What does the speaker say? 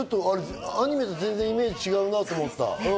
アニメと全然イメージが違うと思った。